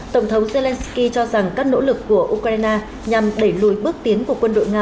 tổng thống zelensky cho rằng các nỗ lực của ukraine nhằm đẩy lùi bước tiến của quân đội nga